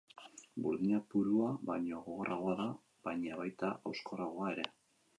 Burdina purua baino gogorragoa da, baina baita hauskorragoa ere.